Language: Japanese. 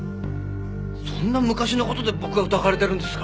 そんな昔の事で僕が疑われているんですか？